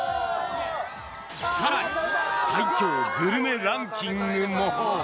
更に、最強グルメランキングも。